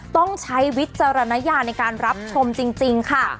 ต้องใช้วิจารณญาในการรับชมจริงค่ะ